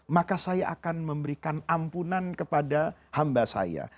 maka saya akan memberikan ampunan kepada hamba saya